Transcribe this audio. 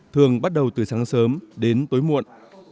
thường bắt đầu từ sáng sớm đến tối muộn